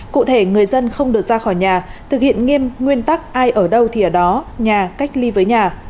cụ thể người dân không được ra khỏi nhà thực hiện nghiêm nguyên tắc ai ở đâu thì ở đó nhà cách ly với nhà